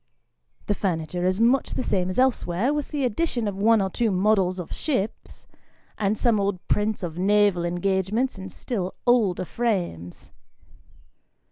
The furniture is much the same as elsewhere, with the addition of one or two models of ships, and some old prints of naval engagements in still older frames.